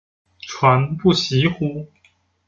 传不习乎？